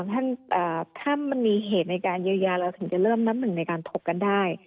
ถ้ามันมีเหตุในการเยียวยาเราถึงจะเริ่มน้ำหนึ่งในการถกกันได้